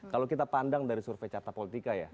kalau kita pandang dari survei carta politika ya